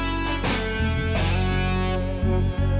engga apa apa serick cuma dobrat kan